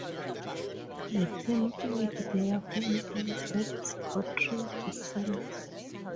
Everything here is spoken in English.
The team played their home games at Scottrade Center.